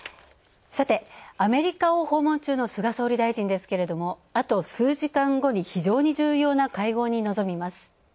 アメリカを訪問中の菅総理大臣ですけれどもあと数時間後に非常に重要な会合に臨みます。